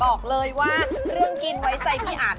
บอกเลยว่าเรื่องกินไว้ใจพี่อัน